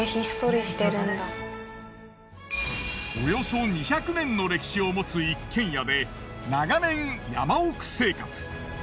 およそ２００年の歴史を持つ一軒家で長年山奥生活。